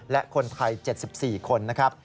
และคนไทย๗๔คนนะครับ